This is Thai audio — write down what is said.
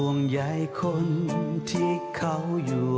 ทำไมพระราชาถือแผนที่เอาไว้